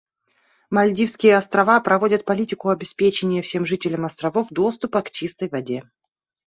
Мальдивские Острова проводят политику обеспечения всем жителям островов доступа к чистой воде.